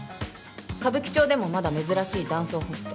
歌舞伎町でもまだ珍しい男装ホスト。